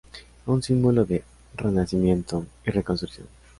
Un símbolo de renacimiento y reconstrucción.